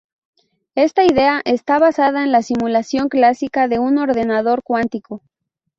Esta idea está basada en la simulación clásica de un ordenador cuántico.